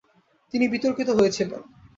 তিনি বিতর্কিত হয়েছিলেন।